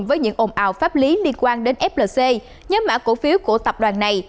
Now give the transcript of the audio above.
với những ồn ào pháp lý liên quan đến flc nhóm mã cổ phiếu của tập đoàn này